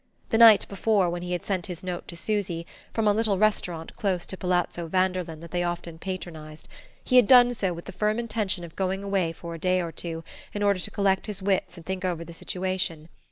The night before, when he had sent his note to Susy, from a little restaurant close to Palazzo Vanderlyn that they often patronized, he had done so with the firm intention of going away for a day or two in order to collect his wits and think over the situation.